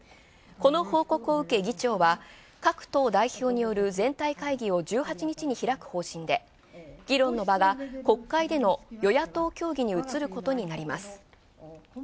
この報告を受け議長は各党代表による全体会議を１８日に開く方針で議論の場が、国会での与野党協議に移ることになります。